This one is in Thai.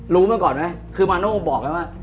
รู้มาก่อนไหมคือมาโน่บอกไหมว่า